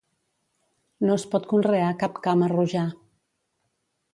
No es pot conrear cap cama-rojar.